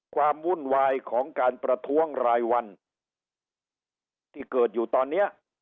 ความวุ่นวายของการประท้วงรายวันที่เกิดอยู่ตอนเนี้ย